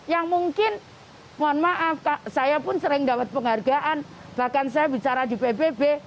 yang mungkin mohon maaf saya pun sering dapat penghargaan bahkan saya bicara di pbb